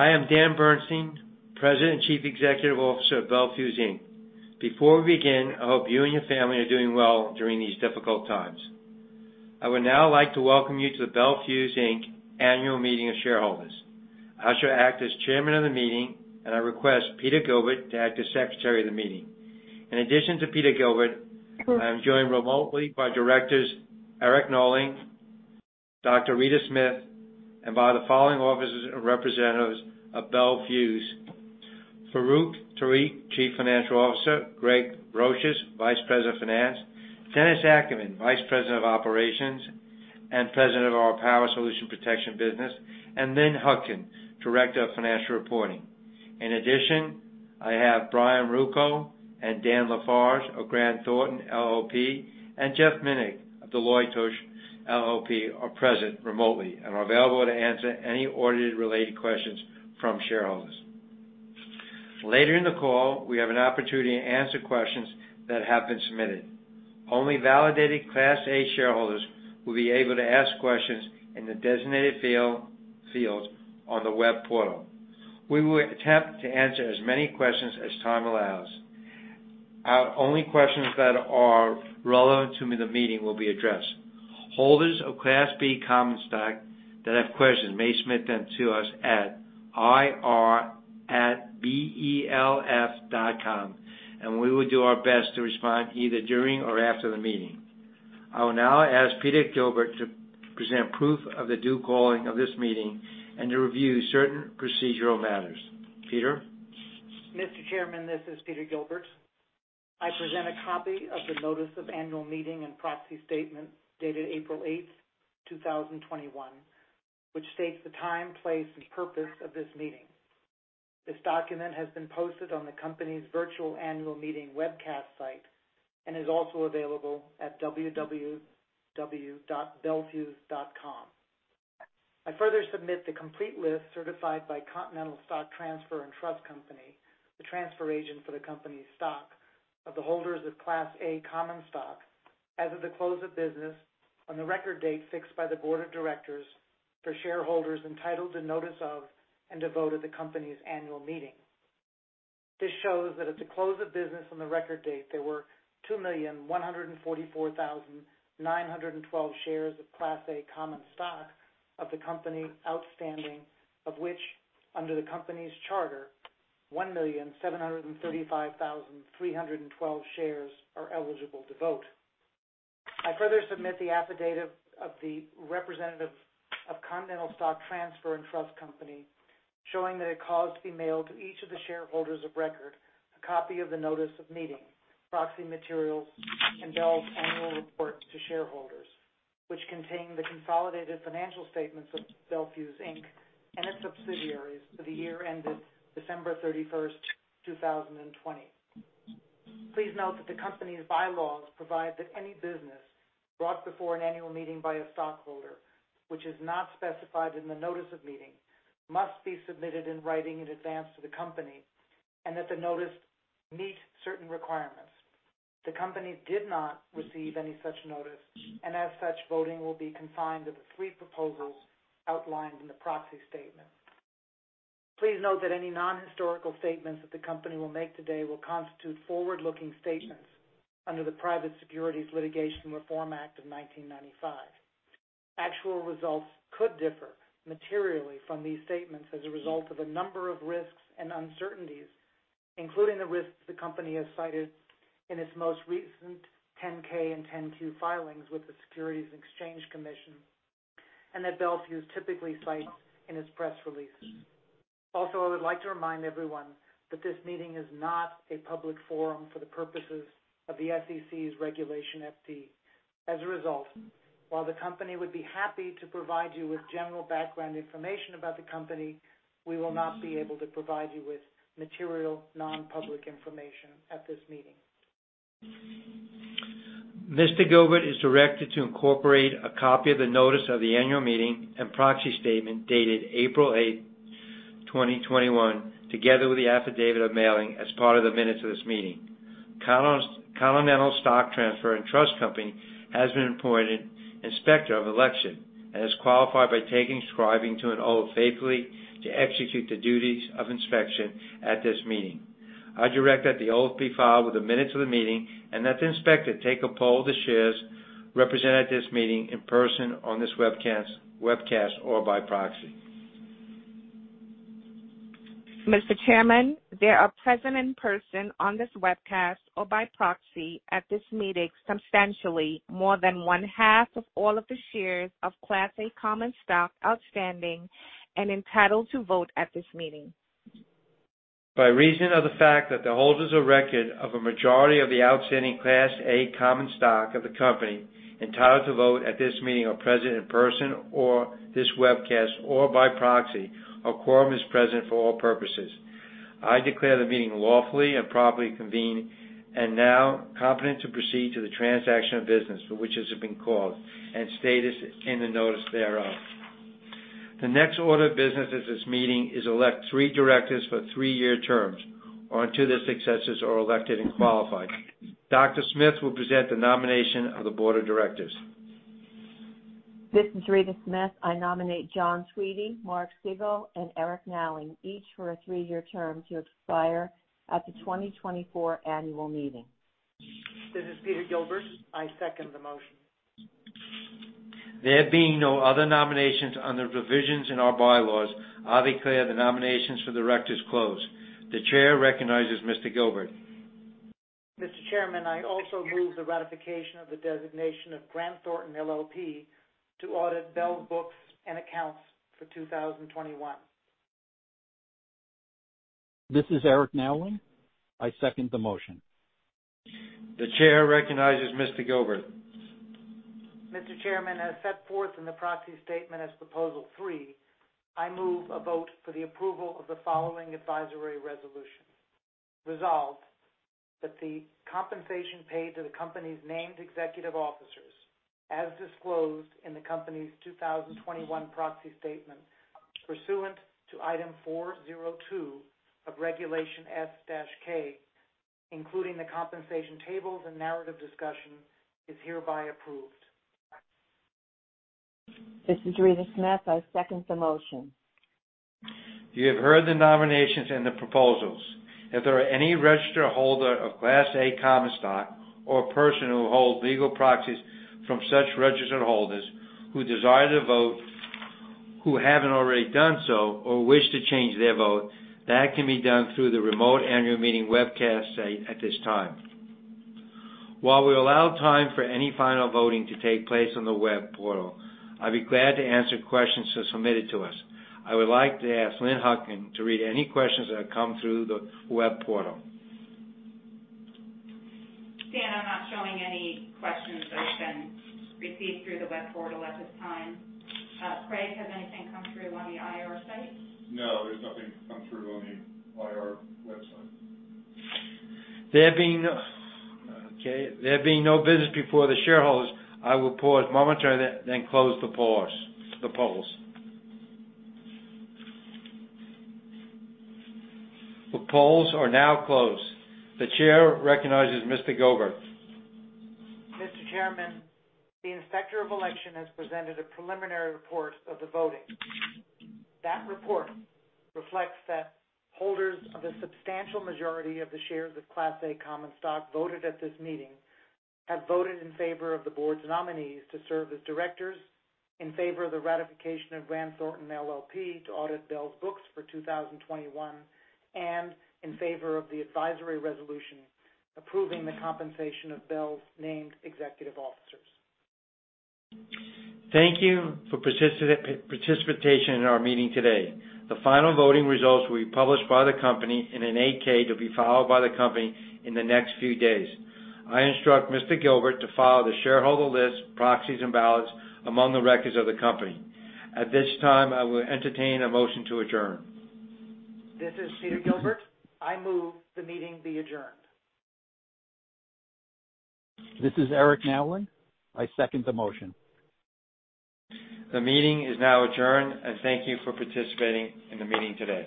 Hi, I'm Dan Bernstein, President and Chief Executive Officer of Bel Fuse Inc. Before we begin, I hope you and your family are doing well during these difficult times. I would now like to welcome you to the Bel Fuse Inc. Annual Meeting of Shareholders. I shall act as chairman of the meeting, and I request Peter Gilbert to act as secretary of the meeting. In addition to Peter Gilbert, I am joined remotely by directors Eric Nowling, Dr. Rita Smith, and by the following officers and representatives of Bel Fuse. Farouq Tuweiq, Chief Financial Officer, Craig Brosious, Vice President of Finance, Dennis Ackerman, Vice President of Operations and President of our Power Solutions and Protection business, and Lynn Hutkin, Director of Financial Reporting. In addition, I have Brian Rocco and Dan LaForge of Grant Thornton LLP, and Jeff Minnick of Deloitte & Touche LLP are present remotely and are available to answer any audit-related questions from shareholders. Later in the call, we have an opportunity to answer questions that have been submitted. Only validated Class A shareholders will be able to ask questions in the designated fields on the web portal. We will attempt to answer as many questions as time allows. Only questions that are relevant to the meeting will be addressed. Holders of Class B common stock that have questions may submit them to us at ir@belfuse.com, and we will do our best to respond either during or after the meeting. I will now ask Peter Gilbert to present proof of the due calling of this meeting and to review certain procedural matters. Peter? Mr. Chairman, this is Peter Gilbert. I present a copy of the Notice of Annual Meeting and Proxy Statement dated April 8th, 2021, which states the time, place, and purpose of this meeting. This document has been posted on the company's virtual annual meeting webcast site and is also available at www.belfuse.com. I further submit the complete list certified by Continental Stock Transfer & Trust Company, the transfer agent for the company's stock, of the holders of Class A common stock as of the close of business on the record date fixed by the board of directors for shareholders entitled to notice of and to vote at the company's annual meeting. This shows that at the close of business on the record date, there were 2,144,912 shares of Class A common stock of the company outstanding, of which, under the company's charter, 1,735,312 shares are eligible to vote. I further submit the affidavit of the representative of Continental Stock Transfer & Trust Company, showing that it caused to be mailed to each of the shareholders of record a copy of the notice of meeting, proxy materials, and Bel's annual report to shareholders, which contain the consolidated financial statements of Bel Fuse Inc. and its subsidiaries for the year ended December 31st, 2020. Please note that the company's bylaws provide that any business brought before an annual meeting by a stockholder, which is not specified in the notice of meeting, must be submitted in writing in advance to the company and that the notice meet certain requirements. The company did not receive any such notice. As such, voting will be confined to the three proposals outlined in the proxy statement. Please note that any non-historical statements that the company will make today will constitute forward-looking statements under the Private Securities Litigation Reform Act of 1995. Actual results could differ materially from these statements as a result of a number of risks and uncertainties, including the risks the company has cited in its most recent 10-K and 10-Q filings with the Securities and Exchange Commission and that Bel Fuse typically cites in its press releases. Also, I would like to remind everyone that this meeting is not a public forum for the purposes of the SEC's Regulation FD. As a result, while the company would be happy to provide you with general background information about the company, we will not be able to provide you with material non-public information at this meeting. Mr. Gilbert is directed to incorporate a copy of the notice of the annual meeting and proxy statement dated April 8th, 2021, together with the affidavit of mailing as part of the minutes of this meeting. Continental Stock Transfer & Trust Company has been appointed inspector of election and is qualified by taking, subscribing to, and oath faithfully to execute the duties of inspection at this meeting. I direct that the oath be filed with the minutes of the meeting and that the inspector take a poll of the shares represented at this meeting in person on this webcast or by proxy. Mr. Chairman, there are present in person on this webcast or by proxy at this meeting substantially more than one half of all of the shares of Class A common stock outstanding and entitled to vote at this meeting. By reason of the fact that the holders of record of a majority of the outstanding Class A common stock of the company entitled to vote at this meeting are present in person or this webcast or by proxy, a quorum is present for all purposes. I declare the meeting lawfully and properly convened and now competent to proceed to the transaction of business for which it has been called, and stated in the notice thereof. The next order of business at this meeting is elect three directors for three-year terms or until their successors are elected and qualified. Dr. Smith will present the nomination of the board of directors. This is Rita Smith. I nominate John Tweedy, Mark Segall, and Eric Nowling, each for a three-year term to expire at the 2024 annual meeting. This is Peter Gilbert. I second the motion. There being no other nominations under the provisions in our bylaws, I declare the nominations for directors closed. The chair recognizes Mr. Gilbert. Mr. Chairman, I also move the ratification of the designation of Grant Thornton LLP to audit Bel's books and accounts for 2021. This is Eric Nowling. I second the motion. The chair recognizes Mr. Gilbert. Mr. Chairman, as set forth in the proxy statement as Proposal three, I move a vote for the approval of the following advisory resolution. Resolved, that the compensation paid to the company's named executive officers, as disclosed in the company's 2021 proxy statement pursuant to Item 4.02 of Regulation S-K, including the compensation tables and narrative discussion, is hereby approved. This is Rita Smith. I second the motion. You have heard the nominations and the proposals. If there are any registered holder of Class A common stock or person who holds legal proxies from such registered holders who desire to vote who haven't already done so or wish to change their vote, that can be done through the remote annual meeting webcast site at this time. While we allow time for any final voting to take place on the web portal, I'd be glad to answer questions as submitted to us. I would like to ask Lynn Hutkin to read any questions that have come through the web portal. Dan, I'm not showing any questions that have been received through the web portal at this time. Craig, has anything come through on the IR site? No, there's nothing come through on the IR website. There being no business before the shareholders, I will pause momentarily, then close the polls. The polls are now closed. The chair recognizes Mr. Gilbert. Mr. Chairman, the Inspector of Election has presented a preliminary report of the voting. That report reflects that holders of the substantial majority of the shares of Class A common stock voted at this meeting have voted in favor of the board's nominees to serve as directors in favor of the ratification of Grant Thornton LLP to audit Bel's books for 2021 and in favor of the advisory resolution approving the compensation of Bel's named executive officers. Thank you for participation in our meeting today. The final voting results will be published by the company in an 8-K to be filed by the company in the next few days. I instruct Mr. Gilbert to file the shareholder list, proxies, and ballots among the records of the company. At this time, I will entertain a motion to adjourn. This is Peter Gilbert. I move the meeting be adjourned. This is Eric Nowling. I second the motion. The meeting is now adjourned, and thank you for participating in the meeting today.